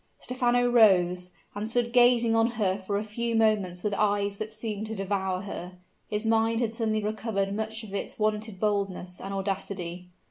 Stephano rose, and stood gazing on her for a few moments with eyes that seemed to devour her. His mind had suddenly recovered much of its wonted boldness and audacity.